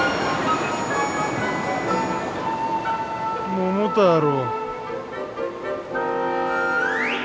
桃太郎。